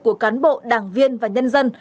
của cán bộ đảng viên và nhân dân